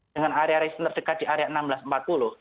dengan area area yang terdekat di area rp satu enam ratus empat puluh